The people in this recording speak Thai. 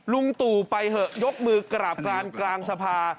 ลุงตู่ไปเถอะยกมือกราบกรานกลางสภา